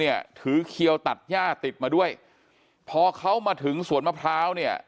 เนี่ยถือเขียวตัดย่าติดมาด้วยพอเขามาถึงสวนมะพร้าวเนี่ย